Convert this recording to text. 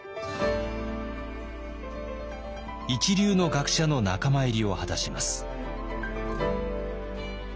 一流の学者の仲間入りを果たします。